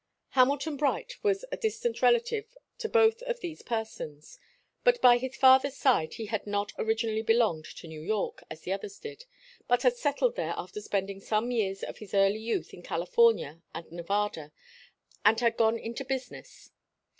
Hamilton Bright was a distant relative to both of these persons. But by his father's side he had not originally belonged to New York, as the others did, but had settled there after spending some years of his early youth in California and Nevada, and had gone into business.